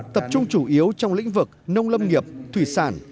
tập trung chủ yếu trong lĩnh vực nông lâm nghiệp thủy sản